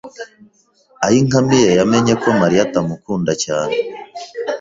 Ayinkamiye yamenye ko Mariya atamukunda cyane.